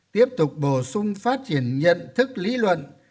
tiếp tục bổ sung phát triển nhận thức lý luận